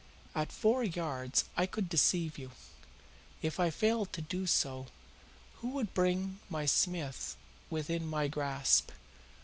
At four yards, I could deceive you. If I failed to do so, who would bring my Smith within my grasp?